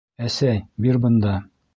Әсәй, бир бында!